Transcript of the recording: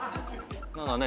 何かね